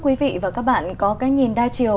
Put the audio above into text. quý vị và các bạn có cái nhìn đa chiều